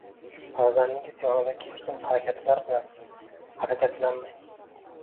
Farzandingiz yonida keskin harakatlar bilan harakatlanmang.